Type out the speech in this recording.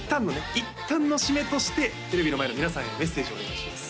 いったんの締めとしてテレビの前の皆さんへメッセージをお願いします